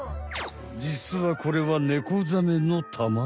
じつはこれはネコザメの卵。